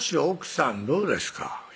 奥さんどうですか？